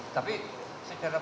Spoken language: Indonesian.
tapi secara pandang